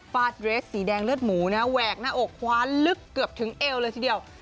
ฟาดเรสสีแดงเลือดหมูแหวกหน้าอกคว้าลึกเกือบถึงเอวเลยทีเดียว